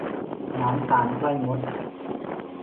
น้ำตาลใกล้มด